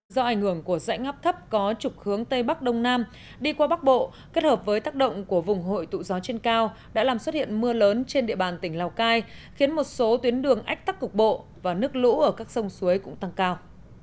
do ảnh hưởng của dãy ngắp thấp có trục hướng tây bắc đông nam đi qua bắc bộ kết hợp với tác động của vùng hội tụ gió trên cao đã làm xuất hiện mưa lớn trên địa bàn tỉnh lào cai khiến một số tuyến đường ách tắc cục bộ và nước lũ ở các sông suối cũng tăng cao